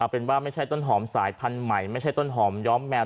เป็นว่าไม่ใช่ต้นหอมสายพันธุ์ใหม่ไม่ใช่ต้นหอมย้อมแมว